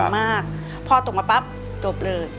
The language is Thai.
มากพอตกมาแป๊บก็โดรด